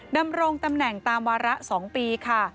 ดำรงตำแหน่งตามวาระ๒ปีค่ะ